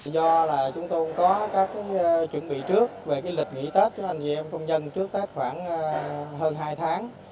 do là chúng tôi cũng có các chuẩn bị trước về lịch nghỉ tết cho anh chị em công nhân trước tết khoảng hơn hai tháng